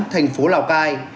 thành phố lào cai